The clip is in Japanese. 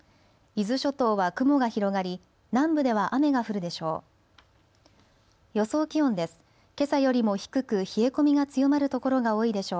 伊豆諸島は雲が広がり南部では雨が降るでしょう。